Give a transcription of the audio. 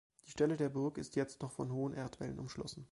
Die Stelle der Burg ist jetzt noch von hohen Erdwällen umschlossen.